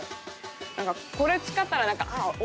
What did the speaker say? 何かこれ使ったら何かホル！